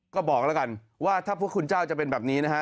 ก็บอกแล้วกันว่าถ้าพระคุณเจ้าจะเป็นแบบนี้นะฮะ